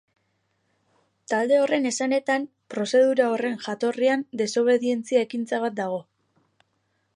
Talde horren esanetan, prozedura horren jatorrian desobedientzia ekintza bat dago.